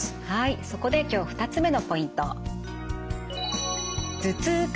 はいそこで今日２つ目のポイント。